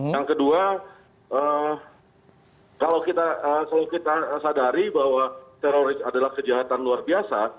yang kedua kalau kita sadari bahwa teroris adalah kejahatan luar biasa